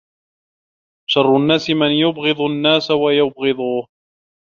شَرُّ النَّاسِ مَنْ يُبْغِضُ النَّاسَ وَيُبْغِضُوهُ